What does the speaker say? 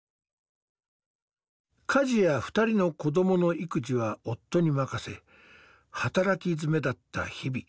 家事や２人の子どもの育児は夫に任せ働きづめだった日々。